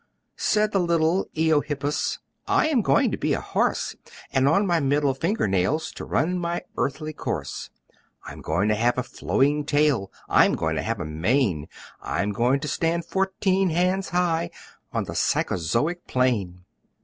Said the little Eohippus, "I am going to be a horse! And on my middle finger nails To run my earthly course! I'm going to have a flowing tail! I'm going to have a mane! I'm going to stand fourteen hands high On the psychozoic plain!"